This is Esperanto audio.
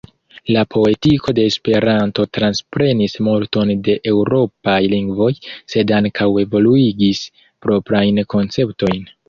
La poetiko de Esperanto transprenis multon de eŭropaj lingvoj, sed ankaŭ evoluigis proprajn konceptojn.